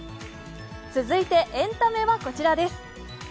続いてエンタメはこちらです。